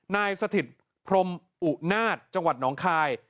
สถิตพรมอุนาศจังหวัดหนองคาย